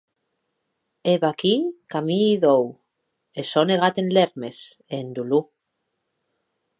E vaquí qu’amii dòu, e sò negat en lèrmes e en dolor.